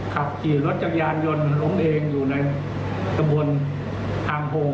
ขับขี่รถจักรยานยนต์ล้มเองอยู่ในตะบนทางโพ